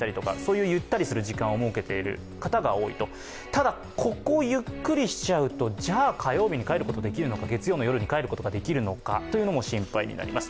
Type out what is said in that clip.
ただ、ここゆっくりしちゃうと火曜に帰ることができるのか月曜の夜に帰ることができるのかというのも心配になります。